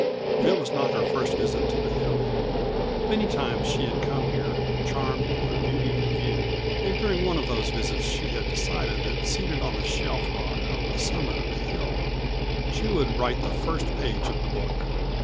It was not her first visit to the hill. Many times she had come here, charmed with the beauty of the view, and during one of those visits she had decided that seated on the shelf rock on the summit of the hill she would write the first page of the book.